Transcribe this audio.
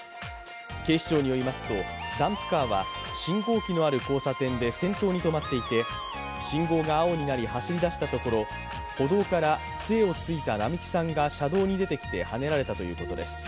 警視庁によりますと、ダンプカーは信号機のある交差点で先頭に止まっていて、信号が青になり走り出したところ歩道からつえをついた並木さんが車道に出てきてはねられたということです。